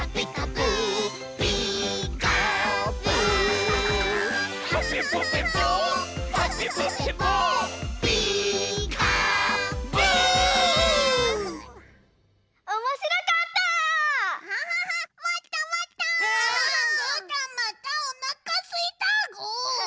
ぐーたんまたおなかすいたぐ。